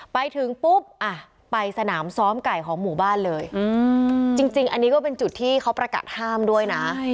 ไปถึงปุ๊บอ่ะไปสนามซ้อมไก่ของหมู่บ้านเลยจริงอันนี้ก็เป็นจุดที่เขาประกาศห้ามด้วยนะ